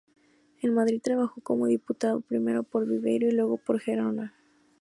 En Madrid trabajó como diputado; primero por Viveiro y luego por Gerona.